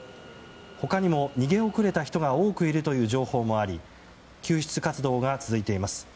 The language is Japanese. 他にも逃げ遅れた人が多くいるという情報もあり救出活動が続いています。